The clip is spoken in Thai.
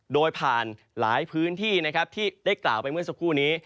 โดยผ่านหลายพื้นที่นะครับที่ได้กล่าวไปเมื่อสักครู่นี้